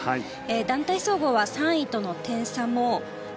団体総合は３位との点差も０．０５